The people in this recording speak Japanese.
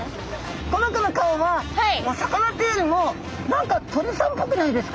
この子の顔はお魚というよりも何か鳥さんっぽくないですか？